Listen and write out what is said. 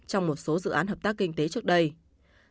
trong một số dự án hợp tác kinh doanh